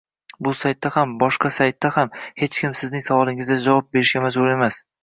Bu saytda ham, boshqa saytlarda ham hech kim Sizning savolingizga javob berishga majbur emas